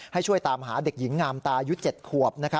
ให้ช่วยตามหาเด็กหญิงงามตายุ๗ขวบ